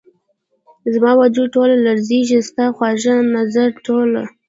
زما وجود ټوله لرزیږې ،ستا خواږه ، دنظر ټوله